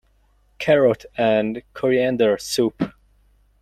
Carrot and coriander soup.